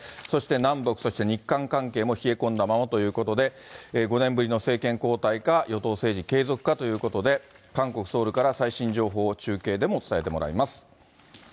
そして南北、そして日韓関係も冷え込んだままということで、５年ぶりの政権交代か、与党政治継続かということで、韓国・ソウルから最新情報を中継でも伝えてもらいます。